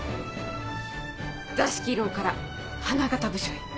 座敷牢から花形部署へ。